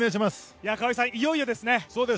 いよいよですね。